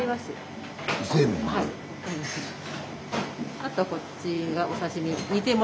あとはこっちがお刺身。